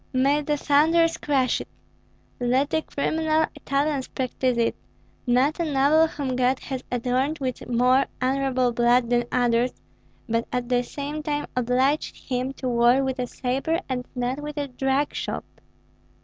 "May the thunders crush it! Let the criminal Italians practise it, not a noble whom God has adorned with more honorable blood than others, but at the same time obliged him to war with a sabre and not with a drug shop."